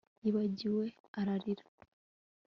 yibagiwe, ararira